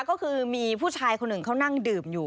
ก็คือมีผู้ชายคนหนึ่งเขานั่งดื่มอยู่